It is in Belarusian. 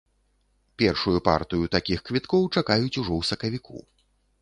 Першую партыю такіх квіткоў чакаюць ужо ў сакавіку.